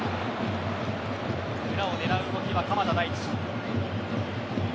裏を狙う動きは鎌田大地。